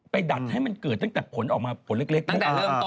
ดัดให้มันเกิดตั้งแต่ผลออกมาผลเล็กตั้งแต่เริ่มต้น